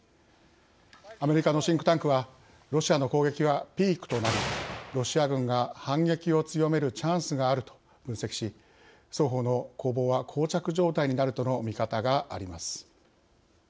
アメリカのシンクタンクはロシアの攻撃は、ピークとなりロシア軍が反撃を強めるチャンスがあると分析し双方の攻防はこう着状態になるとの見方があります。